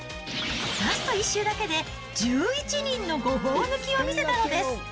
ラスト１周だけで１１人のごぼう抜きを見せたのです。